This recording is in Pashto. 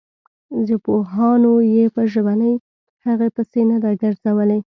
ژبپوهانو یې په ژبنۍ هغې پسې نه ده ګرځولې.